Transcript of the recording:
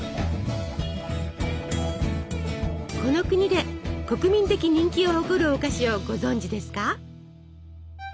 この国で国民的人気を誇るお菓子をご存じですか？